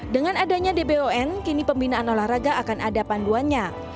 dengan adanya dbon kini pembinaan olahraga akan ada panduannya